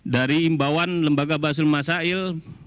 dari imbauan lembaga basul masail